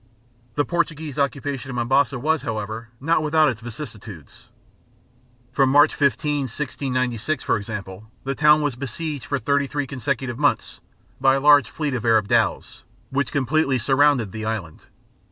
The Portuguese occupation of Mombasa was, however, not without its vicissitudes. From March 15, 1696, for example, the town was besieged for thirty three consecutive months by a large fleet of Arab dhows, which completely surrounded the island.